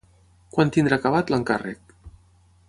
Quan tindrà acabat l'encàrrec?